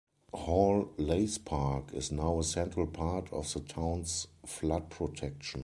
Hall Leys Park is now a central part of the town's flood protection.